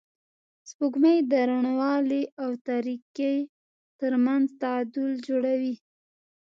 سپوږمۍ د روڼوالي او تاریکۍ تر منځ تعادل جوړوي